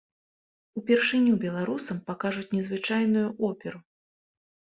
Упершыню беларусам пакажуць незвычайную оперу.